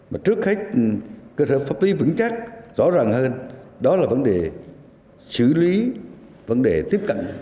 mà trước hết cơ sở pháp lý vững chắc rõ ràng hơn đó là vấn đề xử lý vấn đề tiếp cận